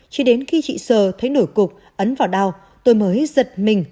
chỉ đến khi chị sờ thấy nổi cục ấn vào đau tôi mới giật mình